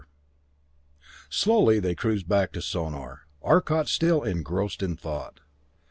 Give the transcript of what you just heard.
VII Slowly they cruised back to Sonor, Arcot still engrossed in thought.